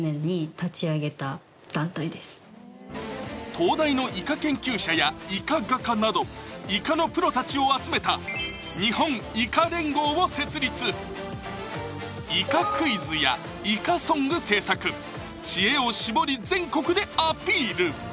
東大のイカ研究者やイカ画家などイカのプロたちを集めた日本いか連合を設立イカクイズやイカソング制作知恵を絞り全国でアピール